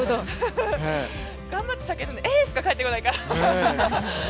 頑張って叫んでも、えっ？しか返ってこないから。